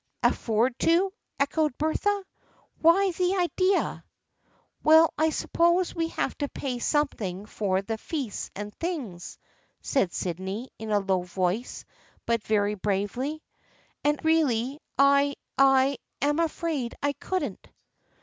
" Afford to !" echoed Bertha. " Why, the idea !"" Well, I suppose we have to pay something for the feasts and things," said Sydney, in a low voice but very bravely. " And really, I — I — am afraid I couldn't."